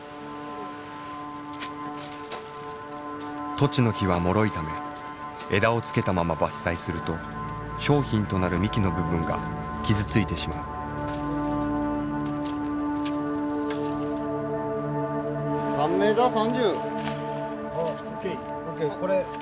トチの木はもろいため枝をつけたまま伐採すると商品となる幹の部分が傷ついてしまう。ＯＫ。